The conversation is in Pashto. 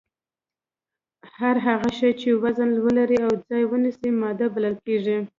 هر هغه شی چې وزن ولري او ځای ونیسي ماده بلل کیږي